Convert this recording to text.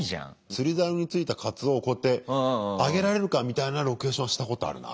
釣りざおについたカツオをこうやって上げられるかみたいなロケーションはしたことあるな。